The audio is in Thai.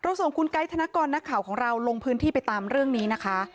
ส่งคุณไกด์ธนกรนักข่าวของเราลงพื้นที่ไปตามเรื่องนี้นะคะ